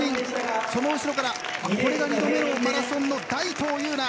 その後ろからこれが二度目のマラソンの大東優奈。